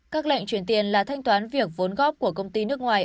các lệnh chuyển tiền là thanh toán việc vốn góp của công ty nước ngoài